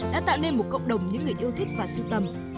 đã tạo nên một cộng đồng những người yêu thích và siêu tầm